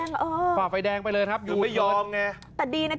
นี่ฝ่าไฟแดงไปเลยยืดไม่ยอมเนี่ย